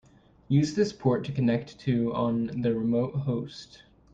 Use this port to connect to on the remote host.